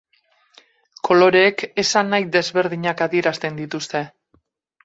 Koloreek esan nahi desberdinak adierazten dituzte.